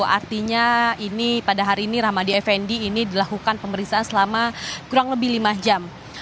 artinya ini pada hari ini rahmadi effendi ini dilakukan pemeriksaan selama kurang lebih lima jam